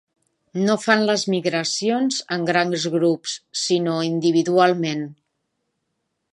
No fan les migracions en grans grups, sinó individualment.